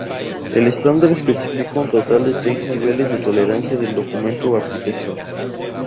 El estándar especifica un total seis niveles de tolerancia del documento o aplicación.